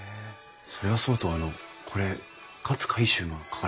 それはそうとあのこれ勝海舟が書かれた書なんですか？